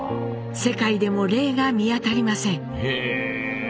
世界でも例が見当たりません。